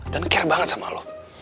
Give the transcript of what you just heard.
dan care banget sama lo